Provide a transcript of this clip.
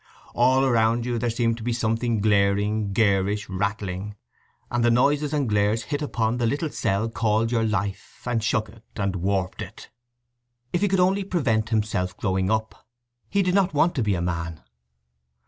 All around you there seemed to be something glaring, garish, rattling, and the noises and glares hit upon the little cell called your life, and shook it, and warped it. If he could only prevent himself growing up! He did not want to be a man.